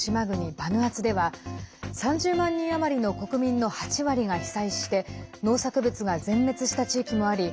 バヌアツでは３０万人余りの国民の８割が被災して農作物が全滅した地域もあり